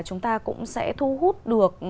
chúng ta cũng sẽ thu hút được